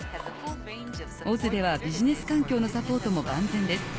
ＯＺではビジネス環境のサポートも万全です。